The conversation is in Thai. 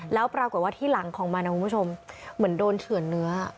แล้วปรากฏว่าที่หลังของมันนะคุณผู้ชมเหมือนโดนเถื่อนเนื้อ